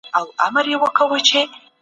کارپوهان د کمیسیون سره څنګه مرسته کوي؟